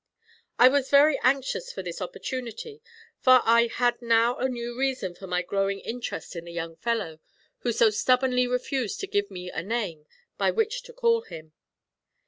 I was very anxious for this opportunity, for I had now a new reason for my growing interest in the young fellow who so stubbornly refused to give me a name by which to call him.